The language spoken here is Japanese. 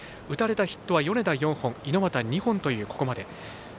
打たれたヒットは米田４本猪俣２本というここまで。